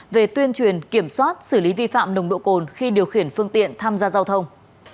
về tuyên truyền kiểm soát xử lý vi phạm nồng độ cồn khi điều khiển phương tiện tham gia giao thông